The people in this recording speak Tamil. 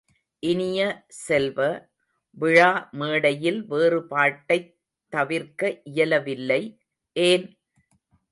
இனிய செல்வ, விழா மேடையில் வேறுபாட்டைத் தவிர்க்க இயலவில்லை, ஏன்?